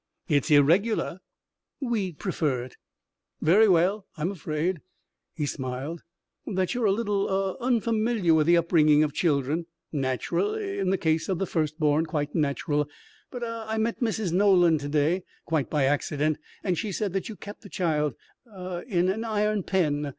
"It's irregular." "We'd prefer it." "Very well. I'm afraid " he smiled "that you're a little ah unfamiliar with the upbringing of children. Natural in the case of the first born. Quite natural. But ah I met Mrs. Nolan to day. Quite by accident. And she said that you kept the child ah in an iron pen.